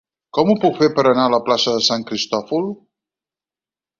Com ho puc fer per anar a la plaça de Sant Cristòfol?